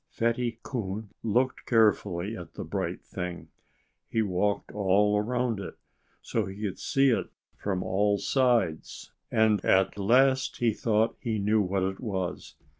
Fatty Coon looked carefully at the bright thing. He walked all around it, so he could see it from all sides. And at last he thought he knew what it was.